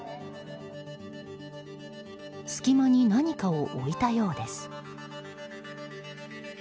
隙間に何かを置いたようです。